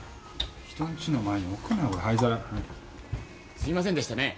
すいませんでしたねぇ。